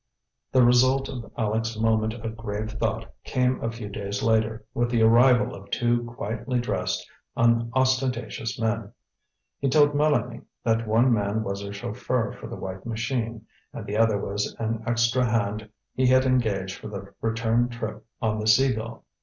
The result of Aleck's moment of grave thought came a few days later, with the arrival of two quietly dressed, unostentatious men. He told Mélanie that one man was her chauffeur for the white machine, and the other was an extra hand he had engaged for the return trip on the Sea Gull.